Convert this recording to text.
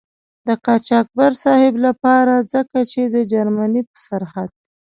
د قاچاقبر صاحب له پاره ځکه چې د جرمني په سرحد.